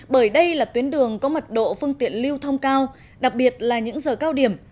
bởi đây là tuyến đường có mật độ phương tiện lưu thông cao đặc biệt là những giờ cao điểm